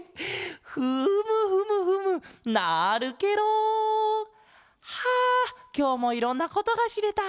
フムフムフムなるケロ！はきょうもいろんなことがしれた。